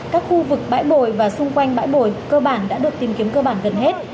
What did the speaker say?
các khu vực bãi bồi và xung quanh bãi bồi cơ bản đã được tìm kiếm cơ bản gần hết